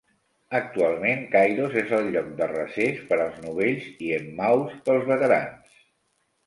Actualment Kairos és el lloc de recés per als novells i Emmaus pels veterans.